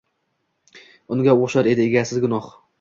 Unga o‘xshar edi egasiz gunoh.